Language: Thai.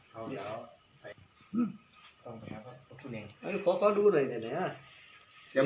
สวัสดีครับ